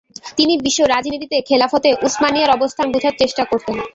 তিনি বিশ্ব রাজনীতিতে খেলাফতে উসমানিয়ার অবস্থান বুঝার চেষ্টা করতেন।